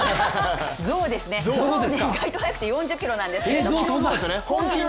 象ですね、意外と速くて４０ｋｍなんですよね。